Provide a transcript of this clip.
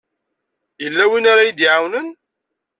Yella win ara yi-d-iɛawnen?